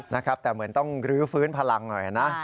นะครับแต่เหมือนต้องรื้อฟื้นพลังหน่อยนะ